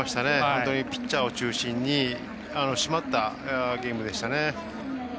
ピッチャーを中心に締まったゲームでしたね。